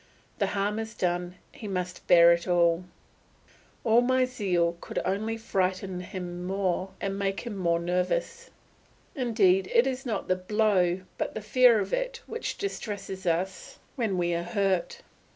The harm is done; he must bear it; all my zeal could only frighten him more and make him more nervous. Indeed it is not the blow but the fear of it which distresses us when we are hurt.